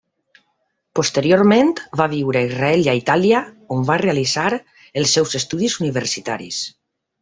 Posteriorment va viure a Israel i Itàlia, on va realitzar els seus estudis universitaris.